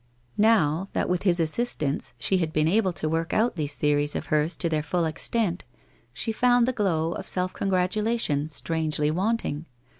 Now, that with his assistance, she had been able to work out these theories of hers to their full extent, she found the glow of self congratulation strangely wanting.